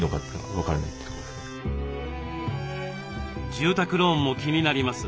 住宅ローンも気になります。